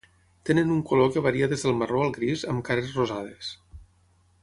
Tenen un color que varia des del marró al gris, amb cares rosades.